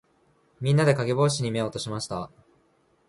みんなで、かげぼうしに目を落としました。